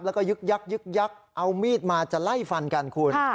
และก็ยึกยักลเอามีดมาจะไล่ฟันกันครับโคนค่ะ